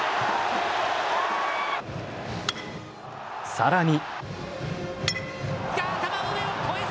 さらに。